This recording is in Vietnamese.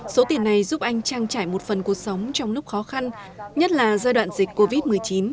số tiền này giúp anh trang trải một phần cuộc sống trong lúc khó khăn nhất là giai đoạn dịch covid một mươi chín